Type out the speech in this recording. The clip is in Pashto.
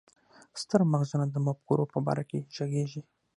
ستر مغزونه د مفکورو په باره کې ږغيږي.